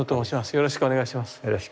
よろしくお願いします。